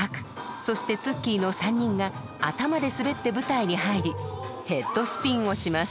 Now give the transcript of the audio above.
そしてＴＳＵＫＫＩの３人が頭で滑って舞台に入りヘッドスピンをします。